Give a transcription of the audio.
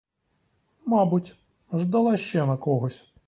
Мабуть, ждала ще на когось.